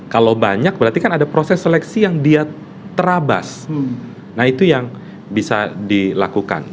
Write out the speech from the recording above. kalau banyak berarti kan ada proses seleksi yang dia terabas nah itu yang bisa dilakukan